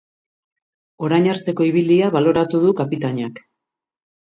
Orain arteko ibilia baloratu du kapitainak.